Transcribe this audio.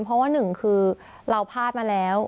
เพราะว่าหนึ่งคือเราพลาดมาแล้ว